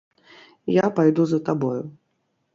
Я пайду за табою.